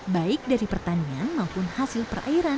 baik dari pertanian maupun hasil perairan